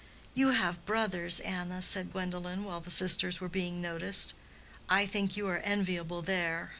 "You have brothers, Anna," said Gwendolen, while the sisters were being noticed. "I think you are enviable there."